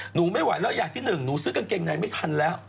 หนูไม่ไหวแล้วอย่างที่หนึ่งหนูซื้อกางเกงในไม่ทันแล้ว